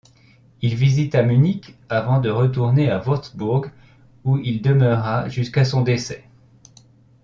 Il visita Munich avant de retourner à Wurtzbourg où il demeura jusqu’à son décès.